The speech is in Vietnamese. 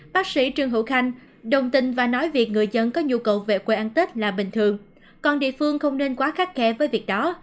bác sĩ trương hữu khanh đồng tin và nói việc người dân có nhu cầu về quê ăn tết là bình thường còn địa phương không nên quá khắt khe với việc đó